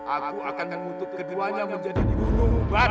aku akan mengutuk keduanya menjadi bunuh